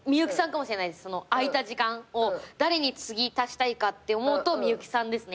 空いた時間を誰につぎ足したいかって思うと幸さんですね